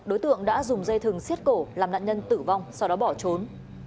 đối tượng đã dùng dây thừng xiết cổ làm nạn nhân tử vong sau đó bỏ trốn